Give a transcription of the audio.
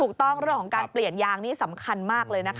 เรื่องของการเปลี่ยนยางนี่สำคัญมากเลยนะคะ